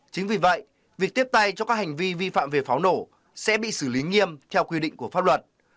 chính vì vậy việc tiếp tay cho các hành vi vi phạm về pháo nổ sẽ bị xử lý nghiêm theo quy định của pháp luật